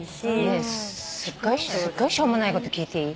ねえすっごいしょうもないこと聞いていい？